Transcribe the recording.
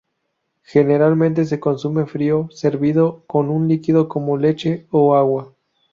Generalmente se consume frío, servido con un líquido como leche o agua.